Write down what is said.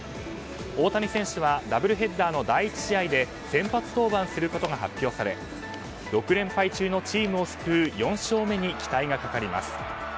大谷選手はダブルヘッダーの第１試合で先発登板することが発表され６連敗中のチームを救う４勝目に期待がかかります。